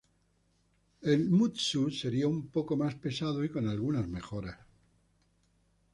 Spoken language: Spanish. El "Mutsu" sería un poco más pesado y con algunas mejoras.